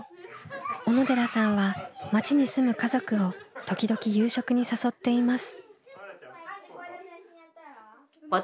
小野寺さんは町に住む家族を時々夕食に誘っています。